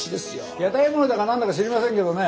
屋台骨だか何だか知りませんけどね